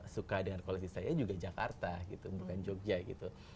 suka dengan koleksi saya juga jakarta gitu bukan jogja gitu